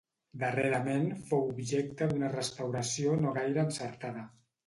Darrerament fou objecte d'una restauració no gaire encertada.